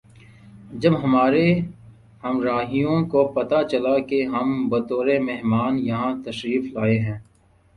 جب ہمارے ہمراہیوں کو پتہ چلا کہ ہم بطور مہمان یہاں تشریف لائے ہیں